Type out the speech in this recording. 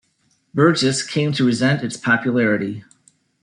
Burgess came to resent its popularity.